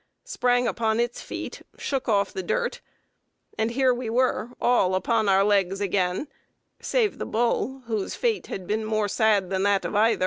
_ sprang upon its feet, shook off the dirt, and here we were, all upon our legs again, save the bull, whose fate had been more sad than that of either."